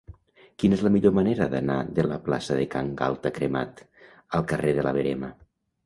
Quina és la millor manera d'anar de la plaça de Can Galta Cremat al carrer de la Verema?